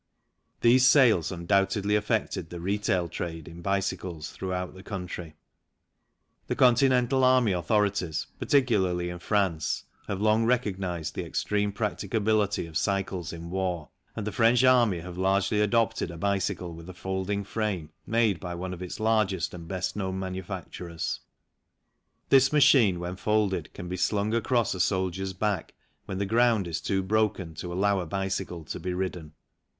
These sales undoubtedly affected the retail trade in bicycles throughout the country. MILITARY AND OTHER SERVICE BICYCLES 89 The Continental army authorities, particularly in France, have long recognized the extreme practicability of cycles in war, and the French army have largely adopted a bicycle with a folding frame made by one of its largest and best known manufacturers. This machine, when folded, can be slung across a soldier's back when the ground is too broken to allow a bicycle to be ridden.